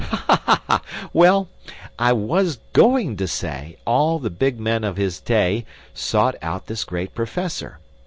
"Ha! ha! Well, I was GOING to say, all the big men of his day sought out this great professor.